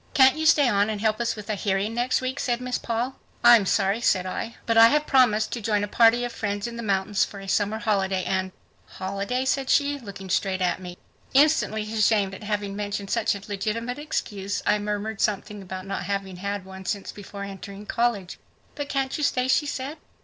"Can't you stay on and help us with a hearing next week?" said Miss Paul. "I'm sorry," said I, "but I have promised to join a party of friends in the mountains for a summer holiday and ..." "Holiday?" said she, looking straight at me. Instantly ashamed at having mentioned such a legitimate excuse, I murmured something about not having had one since before entering college. "But can't you stay?" she said.